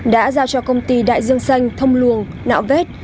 đã giao cho công ty đại dương xanh thông luồng nạo vét